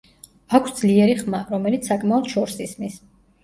აქვს ძლიერი ხმა, რომელიც საკმაოდ შორს ისმის.